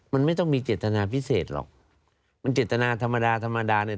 มันไม่ต้องมีเจตนาพิเศษหรอกมันเจตนาธรรมดาธรรมดาเนี่ย